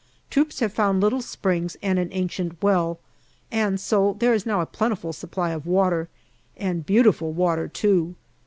Troops have found little springs and an ancient well, and so there is now a plentiful supply of water and beautiful water too.